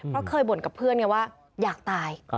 เพราะเคยบ่นกับเพื่อนไงว่าอยากตาย